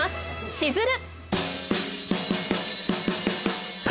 しずる！